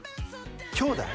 きょうだい？